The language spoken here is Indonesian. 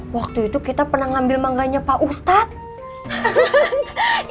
waktu itu kita pernah ngambil mangganya pak ustadz